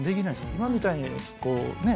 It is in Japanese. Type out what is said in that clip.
今みたいにこうね